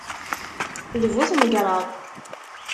D bu tmegṛaḍ.